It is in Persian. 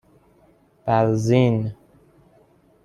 بَرزین